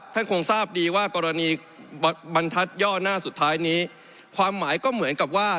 คงทราบดีว่ากรณีบรรทัศนย่อหน้าสุดท้ายนี้ความหมายก็เหมือนกับว่า